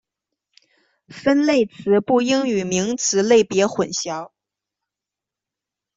分类词不应与名词类别混淆。